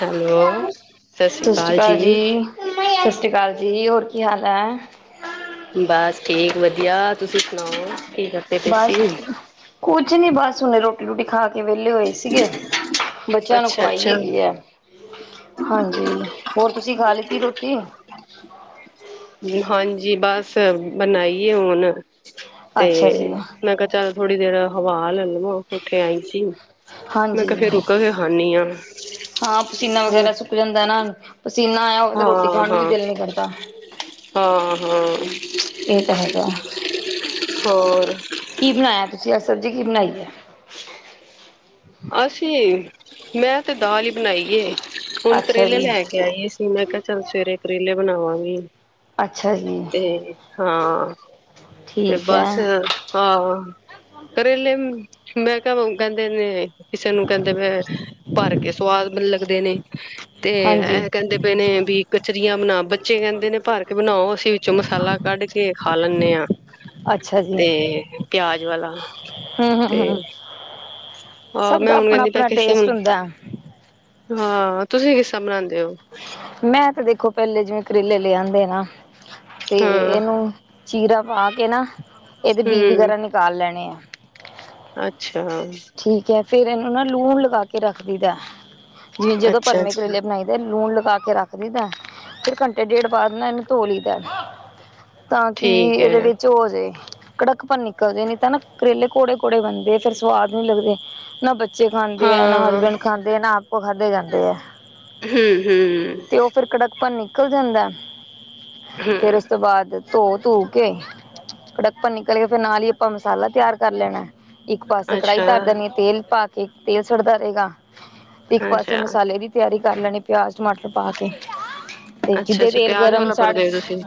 Hello, ਸ਼੍ਰੀ ਅਕਾਲ ਜੀ। ਸਤਿ ਸ਼੍ਰੀ ਅਕਾਲ ਜੀ, ਹੋਰ ਕੀ ਹਾਲ ਹੈ? ਬਸ ਠੀਕ ਵਧੀਆ, ਤੁਸੀਂ ਸੁਣਾਓ ਠੀਕ? ਬਸ, ਕੁਛ ਨੀ ਬਸ, ਹੁਨ ਰੋਟੀ ਰੂਟੀ ਖਾ ਕੇ ਇਹ ਵਿਹਲੇ ਹੋਏ ਸੀਗੇ, ਬੱਚਿਆਂ ਨੂੰ ਖਵਾਈ ਅੱਛਾ-ਅੱਛਾ, ਹੈਗੀ ਹੈ। ਹਾਂਜੀ, ਹੋਰ ਤੁਸੀਂ ਖਾ ਲਿੱਤੀ ਰੋਟੀ। ਹਾਂਜੀ, ਬਸ ਬਣਾਈਏ ਹੁਣ ਤੇ ਅੱਛਾ ਜੀ ਮੈਂ ਕਿਹਾ ਚੱਲ ਥੋੜੀ ਦੇਰ ਹਵਾ ਲੈ ਲਵਾ, ਕੋਠੇ ਆਈ ਸੀ। ਮੈਂ ਕਿਹਾ, ਹਾਂਜੀ ਫੇਰ ਰੁੱਕ ਕੇ ਖਾਂਨੀ ਆ। ਹਾਂ, ਪਸੀਨਾ ਵਗੈਰਾ ਸੁੱਕ ਜਾਂਦਾ ਨਾ, ਪਸੀਨਾ ਆਇਆ ਹੋਵੇ, ਤਾਂ ਰੋਟੀ ਖਾਣ ਨੂੰ ਹਾਂ-ਹਾਂ, ਵੀ ਦਿਲ ਨੀ ਕਰਦਾ। ਹਾਂ-ਹਾਂ, ਇਹ ਤਾਂ ਹੈਗਾ ਹੋਰ? ਕੀ ਬਣਾਇਆ, ਤੁਸੀਂ ਅੱਜ ਸਬਜ਼ੀ ਕੀ ਬਣਾਈ ਐ। ਅਸੀਂ ਮੈਂ ਤੇ ਦਾਲ ਹੀ ਬਣਾਈ, ਹੁਣ ਅੱਛਾ ਕਰੇਲੇ ਜੀ ਲੈ ਕੇ। ਕ ਹੀ ਸੀ, ਮੈਂ ਕਿਹਾ ਚੱਲ ਸਵੇਰੇ ਕਰੇਲੇ ਬਣਾਵਾਂਗੀ। ਅੱਛਾ ਜੀ ਤੇ ਹਾਂ, ਤੇ ਠੀਕ ਹੈ ਬਸ ਆਹ ਕਰੇਲੇ ਮੈਂ ਕਹਿੰਦੇ ਨੇ ਕਿਸੇ ਨੂੰ ਕਹਿੰਦੇ ਭਰ ਕੇ ਸਵਾਦ ਲੱਗਦੇ, ਨੇ ਤੇ ਹਾਂਜੀ ਇਹ ਕਹਿੰਦੇ। ਨੇ ਵੀ ਕਚਰੀਆਂ ਬਣਾ, ਬੱਚੇ ਕਹਿੰਦੇ ਨੇ ਭਰ ਕੇ ਬਣਾਓ, ਅਸੀਂ ਵਿੱਚੋਂ ਮਸਾਲਾ ਕੱਢ ਕੇ ਖਾ ਲੈਂਦੇ ਹਾਂ। ਅੱਛਾ ਤੇ ਪਿਆਜ ਵਾਲਾ, ਹੂੰ-ਹੂੰ-ਹੂੰ, ਆਹੋ ਮੈਂ ਹੁਣ ਕਹਿੰਦੀ ਪੈ ਕਿਸ ਤਰਾ ਹੁਣ ਹਾਂ ਤੁਸੀਂ ਕਿੱਸਾ ਬਣਾਦੇ ਹੋ? ਮੈਂ ਤੇ ਦੇਖੋ, ਪਹਿਲੇ ਜਿਵੇਂ ਕਰੇਲੇ ਲਿਆਦੇ ਨਾ ਤੇ ਹਾਂ ਇਹਨੂੰ, ਚੀਰਾ ਪਾ ਕੇ ਨਾ, ਇਹਦੇ ਬੀ ਹਮ ਵਗੈਰਾ ਨਿਕਾਲ ਲੈਣੇ ਆ। ਅੱਛਾ। ਠੀਕ ਹੈ। ਫੇਰ ਇਹਨੂੰ ਨਾ ਲੂਣ ਲਗਾ ਕੇ ਰੱਖ ਲਈ ਦਾ ਜਿਵੇਂ-ਜਦੋਂ ਅੱਛਾ ਭਰਵੇਂ ਅੱਛਾ ਕਰੇਲੇ ਬਣਾਈ ਲੂਣ ਲਗਾ ਕੇ ਰੱਖ ਲਈਦਾ। ਫਿਰ ਘੰਟੇ, ਡੇਢ ਬਾਅਦ ਨਾ ਇਹਨੂੰ ਧੋ ਲਈਦਾ। ਤਾਂ ਕਿ ਠੀਕ ਹੈ ਇਹਦੇ ਵਿੱਚ ਚੋ ਜੇ ਕੜਕਪ ਨਿਕਲ ਜੇ ਨਹੀਂ ਤਾਂ ਨਾ ਕਰੇਲੇ ਕੌੜੇ-ਕੌੜੇ ਬਣਦੇ ਫੇਰ ਸਵਾਦ ਨ ਲੱਗਦੇ ਨਾ ਬੱਚੇ ਖਾਂਦੇ ਹੈ, ਨਾ ਹਾਂ ਹਸਬੈਂਡ ਖਾਂਦੇ, ਨਾ ਆਪੋ ਖਾਧੇ ਜਾਂਦੇ ਹੈ। ਹਮ -ਹਮ। ਤੇ ਉਹ ਫਿਰ ਕੜਕਪਨ ਨਿਕਲ ਜਾਂਦਾ ਫਿਰ ਹਮ ਉਸ ਤੋਂ ਬਾਅਦ ਧੋ -ਧੋ ਕੇ ਫੜਪਣ ਨਿਕਲ ਕੇ ਫਿਰ ਨਾਲ ਹੀ ਆਪਾਂ ਮਸਾਲਾ ਤਿਆਰ ਕਰ ਲੈਣਾ ਇੱਕ ਪਾ ਕੜਾਹੀ ਤਰ ਅੱਛਾ ਦਿੰਦੇ ਆ ਤੇਲ ਪਾ ਕੇ ਤੇਲ ਸੁੜਦਾ ਰਹੇਗਾ। ਤੇ ਇੱਕ ਪਾਸੇ ਅੱਛਾ, ਮਸਾਲੇ ਦੀ ਤਿਆਰੀ ਕਰ ਲੈਣੀ ਪਿਆਜ, ਟਮਾਟਰ ਪਾ ਕੇ ਤੇ ਕਿਧੇ ਅੱਛਾ-ਅੱਛਾ ਤੇਲ ਪਿਆਜ ਗਰਮ ਵਾਲਾ ਸੜ, ਭਰਦੇ ਹੋ ਤੁਸੀਂ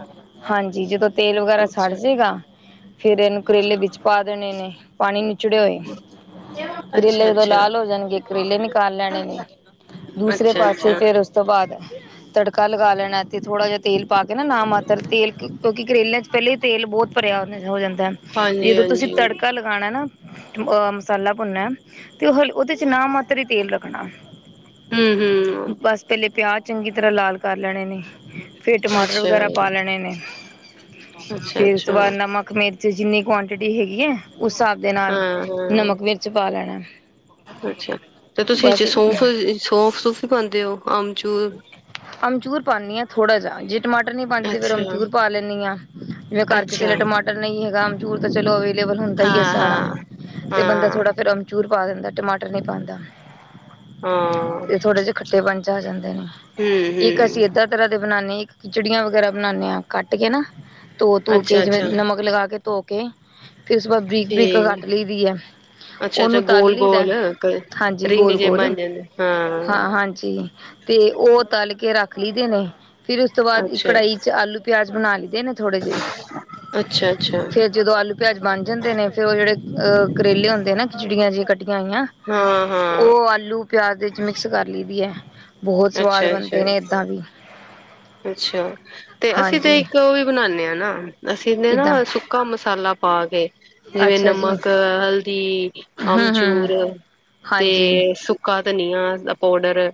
ਹਾਂਜੀ ਜਦੋਂ ਤੇਲ ਵਗੈਰਾ ਸੜ ਅੱਛਾ। ਜਾਏਗਾ, ਫੇਰ ਇਹਨੂੰ ਕਰੇਲੇ ਵਿੱਚ ਪਾ ਦੇਣੇਨੇ ਪਾਣੀ ਨਿਚੜੇ ਹੋਏ। ਕਰੇਲੇ ਜਦੋਂ ਅੱਛਾ-ਅੱਛਾ, ਲਾਲ ਹੋ ਜਾਣਗੇ ਕਰੇਲੇ ਨਿਕਾਲ ਲੈਣੇ ਨੇ ਦੂਸਰੇ ਪਾਸੇ ਅੱਛਾ-ਅੱਛਾ ਫਿਰ ਉਸ ਤੋਂ ਬਾਅਦ ਤੜਕਾ ਲਗਾ ਲੈਣਾ ਇਥ ਥੋੜਾ ਜਿਹਾ ਤੇਲ ਪਾ ਕੇ ਨਾ ਨਾ ਮਾਤਰ ਤੇਲ ਕਿਉਂਕਿ ਕਰੇਲਿਆਂ 'ਚ ਪਹਿਲਾਂ ਹੀ ਤੇਲ ਬਹੁਤ ਭਰਿਆ ਹੋ ਜਾਂਦਾ- ਤੇ ਜਦੋਂ ਤੁਸੀਂ ਹਾਂਜੀ-ਹਾਂਜੀ। ਤੜਕਾ ਲਗਾਉਣਾ ਨਾ ਅਹ ਮਸਾਲਾ ਭੁੰਨਨਾ ਤੇ ਉਹ ਹ ਉਹਦੇ ਚ ਨਾ ਮਾਤਰ ਹੀ ਤੇਲ ਰੱਖਣਾ ਹਮ ਹਮ ਬਸ ਪਹਿਲੇ ਪਿਆਜ਼ ਚੰਗੀ ਤਰ੍ਹਾਂ ਲਾਲ ਕਰ ਲੈਣੇ ਨੇ। ਫਿਰ ਟਮਾਟਰ ਅੱਛਾ, ਵਗੈਰਾ ਪਾ ਲੈਣੇ ਨੇ ਫਿਰ ਉਸ ਅੱਛਾ-ਅੱਛਾ ਤੋਂ ਬਾਅਦ ਨਮਕ ਮਿਰਚ ਜਿੰਨੀ ਕੁਆਟਿੰਟੀ ਹੈਗੀ ਹੈ ਉਸ ਹਿਸਾਬ ਦੇ ਨਾਲ ਹਾਂ-ਹਾਂ ਨਮਕ, ਮਿਰਚ ਪਾ ਲੈਣਾ। ਅੱਛਾ, ਤੇ ਤੁਸੀਂ ਬਸ ਸੌਂਫ, ਸੌਂਫ- ਸੂਫੀ ਪਾਦੇ ਹੋ ਅਮਚੂੂਰ ਅਮਚੂਰ ਪਾਉਦੀ ਹਾਂ ਥੋੜਾ ਜਿ ਜੇ ਟਮਾਟਰ ਨੀ ਪਾਉਂਦੀ ਤੇ ਫੇਰ ਅੱਛਾ। ਅਮਚੂਰ ਪਾ ਲੈਂਦੀ ਆਂ ਜਿਵੇਂ ਘਰ ਕਿਸੇ ਅੱਛਾ ਵੇਲੇ ਟਮਾਟਰ ਨਹੀਂ ਹੈਗਾ ਚੂਰ ਤਾਂ ਚਲੋ ਅਵੇਲੇਬਲ ਹੁੰਦਾ ਹੀ ਹੈ ਹਾਂ-ਹਾਂ, ਸਾਰਾ ਹਾਂ, ਤੇ ਬੰਦਾ ਹਾਂ ਥੋੜਾ ਫਿਰ ਚੂਰ ਪਾ ਦਿੰਦਾ, ਟਮਾਟਰ ਨਹੀਂ ਪਾਉਂਦਾ ਤੇ ਥੋੜੇ ਜਹੇ ਖੱਟੇ ਬਣ ਆ ਜਾਂਦੇ ਇੱਕ ਹੂੰ-ਹੂੰ ਅਸੀਂ ਏਦਾਂ ਤਰ੍ਹਾਂ ਦੇ ਬਣਾਦੇ ਹਾਂ, ਇੱਕ ਖਿਚੜੀਆਂ ਵਗੈਰਾ ਬਣਾਦੇ ਹਾਂ ਕੱਟ ਕੇ ਨਾ ਧੋ- ਧੋ ਕੇ ਜਿਵੇਂ ਅੱਛਾ-ਅੱਛਾ ਨਮਕ ਲਗਾ ਕੇ ਧੋ ਕੇ ਫਿਰ ਉਸ ਤੋਂ ਬਾਅਦ ਬਰੀਕ- ਬਰੀਕ ਠੀਕ ਕੱਟ ਲਈ ਦੀ ਹੈ। ਅੱਛਾ-ਅੱਛਾ ਉਹਨੂੰ ਤਲ ਲਈਦਾ ਗੋਲ-ਗੋਲ ਹਾਂਜੀ ਰਿੰਗ ਗੋਲ ਜੇ -ਗੋਲ ਬਣ ਜਾਂਦੇ ਹਾਂ ਹਾਂਜੀ ਤੇ ਉਹ ਤਲ ਕੇ ਰੱਖ ਲਈਦੇ ਨੇ ਫਿਰ ਉਸ ਤੋਂ ਬਾਅਦ ਅੱਛਾ। ਕੜਾਹੀ ਚ ਆਲੂ ਪਿਆਜ ਬਣਾ ਲਦੇ ਨੇ, ਥੋੜੇ ਜਿਹੇ ਅੱਛਾ-ਅੱਛਾ, ਫਿਰ ਜਦੋਂ ਆਲੂ ਪਿਆਜ਼ ਬਣ ਜਾਂਦੇ ਨੇ ਫਿਰ ਉਹ ਜਿਹੜੇ ਕਰੇਲੇ ਹੁੰਦੇ ਨਾ ਖਿਚੜੀਆਂ ਜਿਹੀਆਂ ਕੱਟੀਆਂ ਹੋਈਆਂ ਹਾਂ-ਹਾਂ, ਉਹ ਆਲੂ, ਪਿਆਜ ਵਿੱਚ ਮਿਕਸ ਕਰ ਲਈ ਦੀ ਹੈ ਬਹੁਤ ਸਵਾਦ ਅੱਛਾ-ਅੱਛਾ, ਬਣਦੇ ਅੱਛਾ। ਨੇ ਇੱਦਾਂ ਵੀ ਅੱਛਾ ਤੇ ਅਸੀਂ ਹਾਂਜੀ ਤੇ ਇੱਕ ਉਹ ਵੀ ਬਣਾਉਦੇ ਹਾਂ ਨਾ ਅਸੀਂ ਨਾ ਕਿੱਦਾਂ ਕੰਮ ਮਸਾਲਾ ਪਾ ਕੇ, ਜਿਵੇਂ ਅੱਛਾ ਜੀ ਨਮਕ, ਹਲਦੀ, ਹਮ ਹਮ ਅਮਚੂਰ ਹਾਂਜੀ ਤੇ ਸੁ ਸੁੱਕਾ ਧਨੀਆ ਪਾਊਡਰ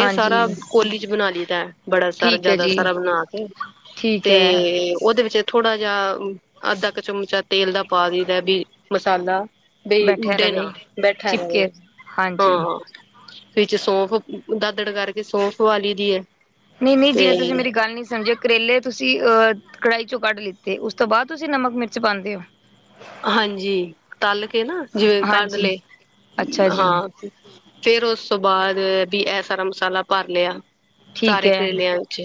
ਇਹ ਸਾਰਾ ਕੋਲੀ ਚ ਬਣਾ ਲਈ ਦਾ ਬੜਾ ਠੀਕ ਹੈ ਜਿਆਦਾ ਜੀ ਸਾਰਾ ਬਣਾ ਕੇ ਠੀਕ ਹੈ ਤੇ ਉਹਦੇ ਵਿੱਚ ਥੋੜਾ ਜਿਹਾ ਅੱਧਾ ਕੁ ਚਮਚਾ ਤੇਲ ਦਾ ਪਾ ਦੇਦਾ ਵੀ ਮਸਾਲਾ ਬਈ ਬੈਠਿਆ ਉਡੇ ਰਵੇ ਨਾ ਬੈਠਾ ਰਵੈ ਚਿਪਕੇ ਹਾਂਜੀ ਫੇਰ ਸੋਫ ਦਾਦੜ ਕਰਕੇ ਸੋਫ ਵਾਲੀ ਦੀ ਹੈ। ਨਹੀਂ -ਨਹੀਂ ਤੇ ਜਿਵੇਂ ਤੁਸੀਂ ਮੇਰੀ ਗੱਲ ਨਹੀਂ ਸਮਝਿਆ। ਕਰੇਲੇ ਤੁਸੀਂ ਅਹ ਕੜਾਹੀ ਚੋਂ ਕੱਢ ਲਿੱਤੇ ਉਸ ਤੋਂ ਬਾਅਦ ਤੁਸੀਂ ਨਮਕ, ਮਿਰਚ ਪਾਉਂਦੇ ਹੋ। ਹਾਂਜੀ, ਤਲ ਕੇ ਨਾ ਜਿਵੇਂ ਹਾਂਜੀ ਕੱਢਲੇ ਅੱਛਾ ਜੀ ਹਾਂ ਫੇਰ ਉਸ ਤੋਂ ਬਾਅਦ ਵੀ ਇਹ ਸਾਰਾ ਮਸਾਲਾ ਭਰ ਲਿਆ। ਠੀਕ ਸਾਰੇ ਹੈ ਕਰੇਲਿਆਂ ਵਿੱਚ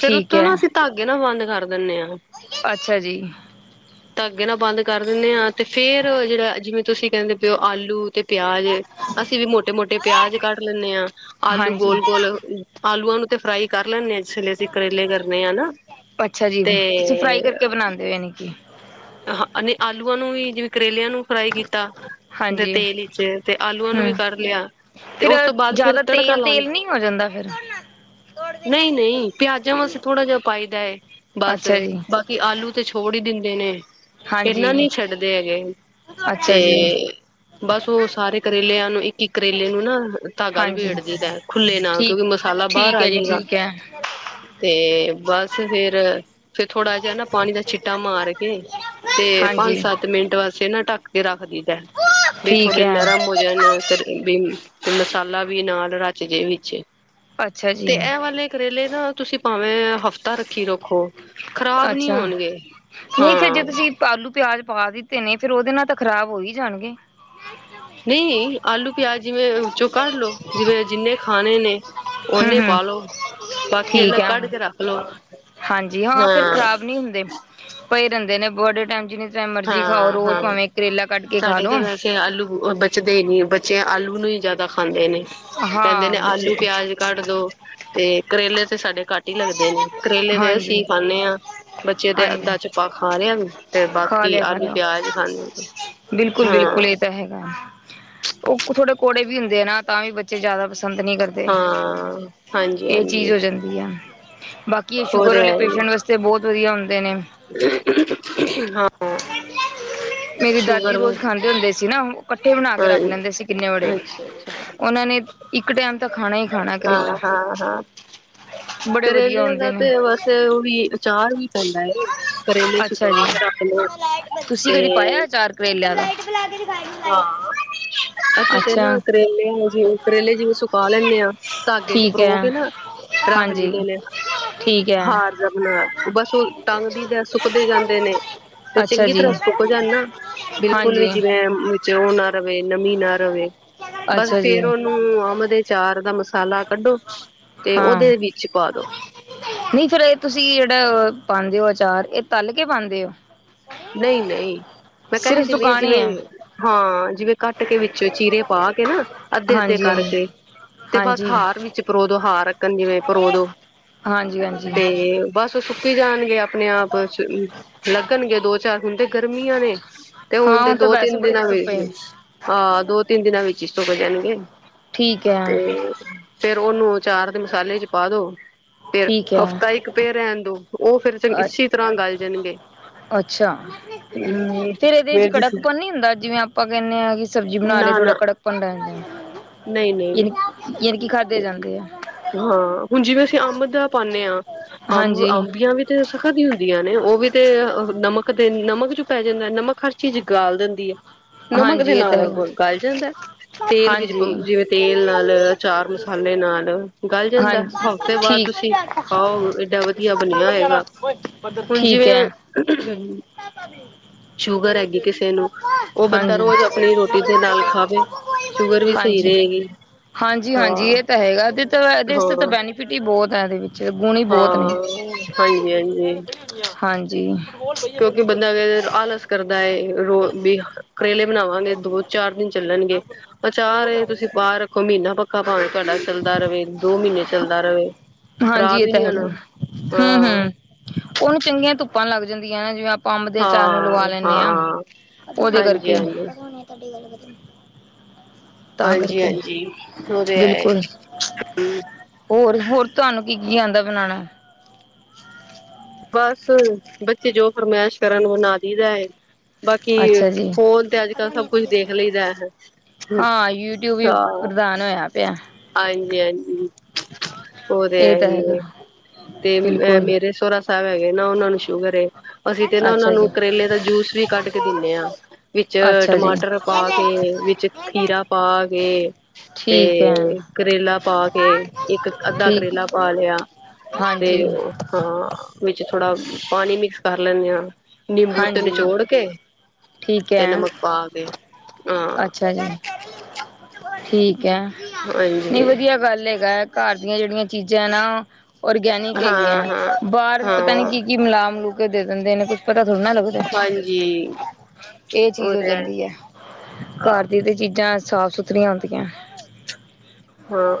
ਫੇਰ ਠੀਕ ਉੱਤੋਂ ਹੈ ਨਾ ਅਸੀਂ ਧਾਗ ਅੱਗੇ ਨਾ ਬੰਦ ਕਰ ਦਿੰਦੇ ਆ, ਅੱਛਾ ਜੀ ਤਾਂ ਅੱਗੇ ਨਾ ਬੰਦ ਕਰ ਦਿੰਦੇ ਹਾਂ ਤੇ ਫੇਰ ਜਿਹੜਾ ਜਿਵੇਂ ਤੁਸੀਂ ਕਹਿੰਦੇ ਪਏਓ ਆਲੂ ਤੇ ਪਿਆਜ ਅਸੀਂ ਵੀ ਮੋਟੇ ਮੋਟੇ ਪਿਆਜ ਕੱਢ ਲੈਂਦੇ ਹਾਂ ਆਲੂ ਹਾਂਜੀ ਗੋਲ ਗੋਲ ਆਲੂਆਂ ਨੂੰ ਤੇ ਫਰਾਈ ਕਰ ਲੈਂਦੇ ਹਾਂ ਇਸੇਲੇ ਅਸੀਂ ਕਰੇਲੇ ਕਰਨੇ ਹਨਾ ਅੱਛਾ ਜੀ ਤੁਸੀਂ ਫਰਾਈ ਕਰਕੇ ਬਣਾਉਂਦੇ ਹੋ ਨੀ ਕਿ ਆਲੂਆਂ ਨੂੰ ਵੀ ਜਿਵੇਂ ਕਰੇਲਿਆਂ ਨੂੰ ਫਰਾਈ ਕੀਤਾ ਦੇ ਹਾਂਜੀ ਤੇਲ ਵਿਚ ਤੇ ਆਲੂਆਂ ਨੂੰ ਵੀ ਹਮ ਕਰ ਲਿਆ ਤੇ ਫਿਰ ਉਸ ਤੋਂ ਬਾਅਦ ਫਿਰ ਜਿਆਦਾ ਤੜਕਾ ਤੇਲ ਲਾਉਣ ਤੇਲ ਨਹੀਂ ਹੋ ਜਾਂਦਾ ਫੇਰ ਨਹੀਂ ਨਹੀਂ ਪਿਆਜਾਂ ਵਾਸਤੇ ਥੋੜਾ ਜਿਹਾ ਪਾਈਦਾ ਹੈ ਬਸ ਅੱਛਾ ਜੀ ਬਸ ਕਿ ਆਲੂ ਤੇ ਛੋੜ ਹੀ ਦਿੰਦੇ ਨੇ ਹਾਂਜੀ ਇਹਨਾਂ ਨਹੀਂ ਛੱਡਦੇ ਹੈਗੇ ਅੱਛਾ ਤੇ ਜੀ ਬਸ ਉਹ ਸਾਰੇ ਕਰੇਲਿਆਂ ਨੂੰ ਇੱਕ ਕਿ ਕਰੇਲੇ ਨੂੰ ਨਾ ਧਾਗਾ ਹਾਂਜੀ ਲਬੇੜਦੀ ਰ ਖੁੱਲੇ ਨਾਲ ਠੀਕ ਕਿਉਂਕਿ ਮਸਾਲਾ ਬਾਹਰ ਠੀਕ ਆ ਹੈ ਜੀ ਜਾਏਗਾ। ਠੀਕ ਹੈ ਤੇ ਬਸ ਫੇਰ ਫਿਰ ਥੋੜਾ ਜਹਾ ਨਾ ਪਾਣੀ ਦਾ ਛੀ ਟਾ ਮਾਰ ਕੇ ਤੇ ਪੰਜ ਹਾਂਜੀ ਸੱਤ ਮਿੰਟ ਵਾਸਤੇ ਨਾ ਢੱਕ ਕੇ ਰੱਖਦੀ ਦ ਵੀ ਠੀਕ ਥੋੜੇ ਹੈ। ਨਰਮ ਹੋ ਮਸਾਲਾ ਵੀ ਨਾਲ ਰਚ ਜੇ ਵਿੱਚ ਅੱਛਾ ਜੀ ਤੇ ਇਹ ਵਾਲੇ ਕਰੇਲੇ ਨਾ ਤੁਸੀਂ ਭਾਵੇਂ ਹਫ਼ਤ ਰੱਖੀ ਰੱਖੋ ਖ਼ਰਾਬ ਨੀ ਅੱਛਾ ਹੋਣਗੇ ਨਹੀਂ ਫਿਰ ਜੇ ਹਾਂ। ਤੁਸੀਂ ਆਲੂ ਪਿਆਜ਼ ਪਾ ਦਿੱਤੇ ਨੇ ਫੇਰ ਉਹਦੇ ਨਾਲ ਤਾਂ ਖ਼ਰਾਬ ਹੋ ਹੀ ਜਾਣਗੇ ਨਹੀਂ ਆਲੂ ਪਿਆਜ ਜਿਵੇਂ ਵਿੱਚੋਂ ਕੱਢ ਲੋਓ ਜਿਵੇਂ ਜਿੰਨੇ ਖਾਣੇ ਨੇ ਹੂੰ ਉਹਨੇ ਹੂੰ ਪਾਲੋ ਬਾਕੀ ਠੀਕ ਇਨਾ ਹੈ ਕੱਢ ਕੇ ਰੱਖ ਲੋ ਹਾਂਜੀ ਹਾਂ ਫੇਰ ਖ਼ਰਾਬ ਨੀ ਹੁੰਦੇ ਭਏ ਰਹਿੰਦੇ ਨੇ ਬਡੇ ਟਾਈਮ ਜਿੰਨੀ ਟਮ ਮਰਜੀ ਖਾਓ ਹਾਂ ਰੋਜ਼ ਭਾਵੇਂ ਕਰੇਲਾ ਕੱਢ ਕੇ ਖਾ ਲੋੋ ਕਿ ਆਲੂ ਬਚਦੇ ਹੀ ਨਹੀਂ ਬੱਚੇ ਆਲੂ ਨੂੰ ਹੀ ਜ਼ਿਆਦਾ ਖਾਂਦੇ ਨੇ ਕਹਿੰਦੇ ਹਾਂ ਨੇ ਬੱਚੇ ਆਲੂ ਪਿਆਜ ਕੱਢ ਦੋ ਤੇ ਕਰੇਲੇ ਤੇ ਸਾਡੇ ਘੱਟ ਹੀ ਲੱਗਦੇ ਨੇ ਕਰੇਲੇ ਦੇ ਹਾਂਜੀ ਅਸੀਂ ਖਾਂਨੇ ਹਾਂ ਬੱਚੇ ਤੇ ਅੱਧਾ ਚਪਾ ਖਾ ਰੇ ਹਨ ਤੇ ਬਾਕੀ ਖਲਿਆ ਆਲੂ ਖਲਿਆ ਪਿਆਜ ਖਾਂਦੇ ਨੇ। ਬਿਲਕੁਲ ਹਾਂ ਬਿਲਕੁਲ ਇਹ ਤਾਂ ਹੈੇਗਾ ਉਹ ਥੋੜੇ ਕੋੜੇ ਵੀ ਹੁੰਦੇ ਨਾ ਤਾਂ ਵੀ ਬੇ ਬੱਚੇ ਜ਼ਿਆਦਾ ਪਸੰਦ ਨਹੀਂ ਕਰਦੇ ਹਾਂ ਹਾਂਜੀ ਇਹ ਚੀਜ਼ ਹਾਂਜੀ ਹੋ ਜਾਂਦੀ ਆ ਬਾਕੀ ਇਹ ਉਹ ਸ਼ੂਗਰ ਤੇ ਵਾਲੇ ਹੈ ਪੇਸ਼ੈਂਟ ਵਾਸਤੇ ਬਹੁਤ ਵਧੀਆ ਹੁੰਦੇ ਨੇ ਹਾਂ ਮੇਰੀ ਦਾਦੀ ਸ਼ੂਗਰ ਵ ਰੋਜ਼ ਖਾਂਦੇ ਹੁੰਦੇ ਸੀ ਨਾ ਇਕੱਠੇ ਬਣਾ ਕੇ ਰੱਖ ਹਾਂਜੀ ਲੈਂਦੇ ਸੀ ਕਿੰਨੇ ਵੜੇ ਅੱਛਾ ਅੱਛਾ ਉਹਨਾਂ ਨੇ ਇੱਕ ਟਾਈਮ ਤਾਂ ਖਾਣਾ ਹੀ ਖਾਣਾ ਕਰੇਲਾ ਹਾਂ ਹਾਂ ਹਾਂ। ਬੜੇ ਵਧੀਆ ਕਰੇਲਿਆਂ ਦਾ ਹੁੰਦੇ ਨੇ ਤੇ ਵੈਸੇ ਉਹ ਵੀ ਅਚਾਰ ਵੀ ਪੈਂਦਾ ਹੈ ਕਰੇਲੇ ਅੱਛਾ ਜੀ ਸੁਕਾ ਕੇ ਰੱਖ ਲਓ ਤੁਸੀਂ ਤੇ ਕਦੀ ਪਾਇਆ ਅਚਾਰ ਕਰੇਲਿਆਂ ਦਾ ਹਾਂ ਅਸੀਂ ਤੇ ਅੱਛਾ ਨਾ ਕਰੇਲੇ ਜਿਵੇਂ ਕਰੇਲੇ ਜਿਵੇਂ ਸੁਕਾ ਲੈਂਦੇ ਆਂ ਧਾਗੇ ਚ ਠੀਕ ਹੈ ਪਰੋ ਕੇ ਨਾ ਕਰਾਹ ਲੀ ਹਾਂਜੀ ਦੋ ਲੇ ਠੀਕ ਹੈ ਹਾਰ ਜੇਆ ਬਨਾਯਾ। ਬਸ ਉਹ ਟੰਗਦੀ ਦਾ ਸੁੱਕਦੇ ਜਾਂਦੇ ਨੇ। ਤੇ ਅੱਛਾ ਚੰਗੀ ਜੀ ਤਰ੍ਹਾਂ ਸੋ ਜਾਨਾ ਬਿਲਕੁਲ ਵੀ ਹਾਂਜੀ ਜਿਵੇਂ ਵਿੱਚ ਉਹ ਨਾ ਰਵੇ, ਨਮੀ ਨਾ ਰਵੇ। ਬਸ ਅੱਛਾ ਜੀ ਫੇਰ ਉਹਨੂੰ ਅਮ ਦੇ ਚਾਰ ਦਾ ਮਸਾਲਾ ਕੱਢੋ ਤੇ ਹਾਂ ਉਹਦੇ ਵਿੱਚ ਪਾਲੋ। ਨਹੀਂ ਫੇਰ ਇਹ ਤੁਸੀਂ ਜਿਹੜਾ ਪਾਂਦੇ ਹੋ ਅਚਾਰ, ਇਹ ਤਲ ਕੇ ਪਾਂਦੇ ਹੋ? ਨਹੀਂ ਨਹੀਂ ਮੈਂ ਕਹਿੰਦੀ ਸਿਰਫ ਤੇ ਪਈ ਦੁਕਾਨੇ ਜਿਵੇਂ ਹੈ ਹਾਂ ਜਿਵੇਂ ਕੱਟ ਕੇ ਵਿੱਚ ਚੀਰੇ ਪਾ ਕੇ ਨਾ, ਅੱਧੇ ਅੱਧੇ ਹਾਂਜੀ ਕਰਕੇ ਤੇ ਬਸ ਹਾਂਜੀ ਹਾਂਜੀ ਹਾਰ ਵਿੱਚ ਪਰੋ ਦੋ। ਹਾਰ ਆਕਣ ਜਿਵੇਂ ਪਰੋ ਦੋ ਹਾਂਜੀ ਹਾਂਜੀ ਤੇ ਬਸ। ਸੁੱਕੀ ਜਾਣਗੇ ਆਪਣੇ ਆਪ ਲੱਗਣਗੇ ਦੋ ਚਾਰ ਦਿਨ ਤੇ ਗਰਮੀਆਂ ਨੇ ਤੇ ਹੁਣ ਹਾਂ ਤੇ ਉਹ ਤਾਂ ਦੋ ਵੈਸੇ ਤਿੰਨ ਬੜੀ ਦਿਨਾਂ ਧੁੱਪ ਹੈ ਵਿੱਚ, ਆਹ ਦੋ ਤਿੰਨ ਦਿਨਾਂ ਵਿੱਚ ਹੀ ਸੁੱਕ ਜਾਣਗੇ। ਠੀਕ ਹੈ। ਫਿਰ ਉਹਨੂੰ ਚਾਰ ਦੇ ਮਸਾਲੇ ਚ ਪਾ ਦੋ ਫਿਰ ਠੀਕ ਹੈ ਹਫ਼ਤਾ ਇੱਕ ਪੇਰ ਰਹਿਣ ਦੋ ਉਹ ਫਿਰ ਚੰ ਅ ਇਸੀ ਤਰ੍ਹਾਂ ਗੱਲ ਜਾਣਗੇ ਅੱਛਾ ਹਮ ਫਿਰ ਇਹਦੇ ਚ ਫੇਰ ਤੁਸੀਂ ਕੜਕਪਣ ਨੀ ਹੁੰਦਾ ਜਿਵੇਂ ਆਪਾਂ ਕਹਿੰਦੇ ਹਾਂ ਕਿ ਸਬਜ਼ੀ ਬਣਾ ਲਏ ਨਾ ਥੋੜਾ ਨਾ ਕੜਕ ਭਣ ਲੈਂਦੇ ਆ ਨਹੀਂ-ਨਹੀਂ ਯ ਯਾਨ ਕਿ ਖਾਧੇ ਜਾਂਦੇ ਆ ਹਾਂ ਹੁਣ ਜਿਵੇਂ ਅਸੀਂ ਅੰਬ ਦਾ ਪਾਉਦੇ ਹਾਂ ਅੰਬ ਹਾਂਜੀ ਅੰਬੀਆਂ ਵੀ ਤੇ ਸਖਤ ਇ ਹੁੰਦੀਆਂ ਨੇ ਉਹ ਵੀ ਤੇ ਨਮਕ ਤੇ ਨਮਕ ਚ ਪੈ ਜਾਂਦਾ ਨਮਕ ਤੇ ਹਰ ਚੀਜ਼ ਗਾਲ ਦਿੰਦੀ ਐ। ਨਮਕ ਦੇ ਹਾਂਜੀ ਇਹ ਤਾਂ ਨਾਲ ਹੈਗਾ ਗਲ ਜਾਂਦਾ ਤੇਲ ਵਿੱਚ। ਹਾਂਜੀ ਜਿਵੇਂ ਤੇਲ ਨਾਲ ਅਚਾਰ ਮਸਾਲੇ ਨਾਲ ਗੱਲ ਜਾਂਦਾ ਹਾਂਜੀ ।ਹਫ਼ਤੇ ਬਾਅਦ ਠੀਕ ਤੁਸੀਂ ਖਾਓ ਏਡਾ ਵਧੀਆ ਬਣਿਆ ਹੋਏਗਾ। ਹੁਣ ਠੀਕ ਜਿਵੇਂ ਹੈ [unintelligible] [unintelligible] ਸ਼ੂਗਰ ਹੈਗੀ ਕਿਸੇ ਨੂੰ ਉਹ ਬੰਦਾ ਹਾਂਜੀ। [unintelligible] ਰੋਜ਼ ਆਪਣੀ ਰੋਟੀ ਦੇ ਨਾਲ ਖਾਵੇ ਸ਼ੂਗਰ ਵੀ ਸਹੀ ਹਾਂਜੀ ਰਹੇਗੀ -ਹਾਂਜੀ- ਹਾਂਜੀ ਇਹ ਤਾਂ ਹੈਗਾ। ਇਹ ਤਾਂ ਇਹਦੇ ਤਾਂ ਹਾਂ-ਹਾਂ ਬੈਨੀਫਿਟ ਹੀ ਬਹੁਤ ਹੈ ਇਸਦੇ ਜੇ ਗੁਣੀ ਬਹੁਤ ਨੇ ਹਾਂ ਹਾਂਜੀ ਹਾਂਜੀ ਹਾਂਜੀ। ਕਿਉਂਕਿ ਬੰਦਾ ਅ ਆਲਸ ਕਰਦਾ ਏ ਰੋਜ ਵੀ ਕਰੇਲੇ ਬਣਾਵਾਂਗੇ ਦੋ ਚਾਰ ਦਿਨ ਚੱਲਣਗੇ। ਅਚਾਰ ਏ ਤੁਸੀਂ ਬਾਹਰ ਹੁਣ ਮਹੀਨਾ ਪੱਕਾ ਪਾਵੇ ਤੁਹਾਡਾ ਚੱਲਦਾ ਰਵੇ ਦੋ ਮਹੀਨੇ ਚੱਲਦਾ ਰਵੇ ਹਾਂਜੀ ਇਹ ਤਾਂ ਹੈਗਾ। ਹੂ - ਹੂ ਉਹਨੂੰ ਚੰਗੀਆਂ ਧੁੱਪਾਂ ਲੱਗ ਜਾਂਦੀਆਂ ਨੇ ਜਿਵੇਂ ਆਪ ਅੰਬ ਦੇ ਅਚਾਰ ਨੂੰ ਲਵਾ ਹਾਂ ਲੈਂਨੇ ਆ ਹਾਂ ਉਹਦੇ ਹਾਂਜੀ ਕਰਕੇ। ਹਾਂਜੀ ਤਾਂ ਹਾਂਜੀ- ਕਰਕੇ ਹਾਂਜੀ ਉਹ ਤੇ ਹੈਏ ਹੈ। ਹੋਰ- ਹੋਰ ਤੁਹਾਨੂੰ ਕੀ- ਕੀ ਆਦਾ ਬਣਾਣਾ। ਬਸ ਬੱਚੇ ਜੋ ਫਰਮਾਇਸ਼ ਕਰਨ ਉਹ ਬਨਾ ਦੀ ਦਾ ਐ। ਬਾਕੀ ਅੱਛਾ ਜੀ ਫੋਨ ਤੇ ਅੱਜ ਕੱਲ ਸਭ ਕੁਛ ਦੇਖ ਲਈ ਹੈ। ਹਾਂ ਯੂਟਿਊਬ ਈ ਹਾਂ ਪ੍ਰਦਾਨ ਹੋਇਆ ਪਿਆ। ਹਾਂਜੀ- ਹਾਂਜੀ ਉਹ ਤੇ ਇਹ ਹੈ ਤਾਂ ਈ ਹੈਗਾ ਏ। ਤੇ ਬਿਲਕੁਲ ਮੇਰੇ ਸਹੂਰਾ ਸਾਹਿਬ ਹੈਗੇ ਨਾ ਉਹਨਾਂ ਨੂੰ ਸ਼ੂਗਰ ਏ। ਅਸੀਂ ਤੇ ਨਾ ਉਹਨਾ ਅੱਛਾ ਜੀ ਨੂੰ ਕਰੇਲੇ ਦਾ ਜੂਸ ਵੀ ਕੱਢ ਕੇ ਦਿੰਨੇ ਆ। ਵਿੱਚ ਅੱਛਾ ਜੀ ਟਮਾਟਰ ਪਾ ਕੇ, ਵਿੱਚ ਖੀਰਾ ਪਾ ਕੇ। ਤੇ ਠੀਕ ਐ। ਕਰੇਲਾ ਪਾ ਕੇ ਇੱਕ ਅੱਧਾ ਠੀਕ ਕਰੇਲਾ ਪਾ ਲਿਆ ਤੇ ਹਾਂਜੀ ਹਾਂ ਵਿੱਚ ਥੋੜਾ ਪਾਣੀ ਮਿਕਸ ਕਰ ਲੈਂਨੇ ਹਾਂ। ਨਿੰਬੂ ਤੇ ਹਾਂਜੀ ਨਿਚੋੜ ਕੇ ਠੀਕ ਤੇ ਹੈ ਨਮਕ ਪਾ ਕੇ ਹਾਂ ਅੱਛਾ ਜੀ, ਠੀਕ ਹੈ ।ਨਹੀਂ ਹਾਂਜੀ ਵਧੀਆ ਗੱਲ ਹੈਗੈ। ਘਰ ਦੀਆਂ ਜੇੜੀਆਂ ਚੀਜ਼ਾਂ ਨਾ ਔਰਗੈਨਿਕ ਹਾਂ ਹੈਗੀਆਂ ਹਾਂ ਬਾਹਰ ਪਤਾ ਨੀ ਹਾਂ ਕੀ ਕੀ ਮਿਲਾ- ਮਿਲੂ ਕੇ ਦੇ ਦਿੰਦੇ ਨੇ ਕੁਛ ਪਤਾ ਥੋੜਾ ਨਾ ਲੱਗਦਾ। ਹਾਂਜੀ ਇਹ ਚੀਜ਼ ਉਹ ਹੋ ਤੇ ਹੈ ਜਾਂਦੀ ਏ। ਹੀ ਆ ਘਰ ਦੀਯਾਂ ਤੇ ਚੀਜ਼ਾਂ ਸਾਫ ਸੁਥਰੀਆਂ ਹੁੰਦੀਆਂ। ਹਾਂ।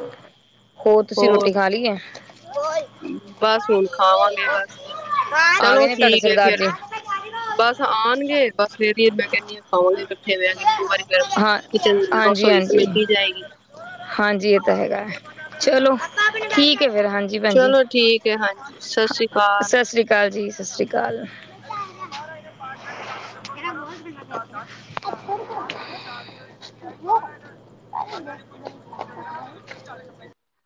ਹੋਰ ਤੁਸੀਂ ਰੋਟੀ ਖਾ ਲਈ ਹੈ? ਬਸ ਹੁਣ ਖਾਵਾਂਗੇ ਬਸ ਆ ਚਲੋ ਗਏ ਨੇ ਤੁਹਾਡੇ ਠੀਕ ਹੈ ਸਰਦਾਰ ਜੀ ਫਿਰ। ਬਸ ਆਉਣਗੇ ਬਸ ਫਿਰ ਮੈਂ ਕਹਿੰਦੀ ਆ ਖਾਵਾਗੇ ਇਕੱਠੇ ਬੈੈ ਕੇ ਇੱਕੋ ਵਾਰੀ ਫਿਰ ਹਾਂ ਕਿਚਨ ਹਾਂਜੀ ਰਸੋਈ ਹਾਂਜੀ ਸਮੇਟੀ ਜਾਏਗੀ। ਹਾਂਜੀ ਇਹ ਤਾਂ ਹਾਂ ਹੈਗਾ ਹੈ ਚਲੋ ਠੀਕ ਹੈ ਫੇਰ ਹਾਂਜੀ। ਭੈਣ ਜੀ ਚਲੋ ਠੀਕ ਹੈ ਹਾਂਜੀ ਸਤਿ ਸ਼੍ਰੀ ਅਕਾਲ। ਸਤਿ ਸ੍ਰੀ ਅਕਾਲ ਜੀ ਸਤਿ ਸ਼੍ਰੀ ਅਕਾਲ। [inaudible]